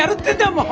もう！